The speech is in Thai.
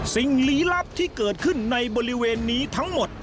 สิ่งลี้ลับที่เกิดขึ้นในบริเวณนี้ทั้งหมด